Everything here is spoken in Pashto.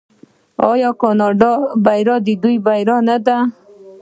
آیا د کاناډا بریا د دوی بریا نه ده؟